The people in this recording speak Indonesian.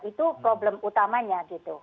itu problem utamanya